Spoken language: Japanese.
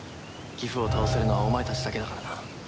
ギフを倒せるのはお前たちだけだからな。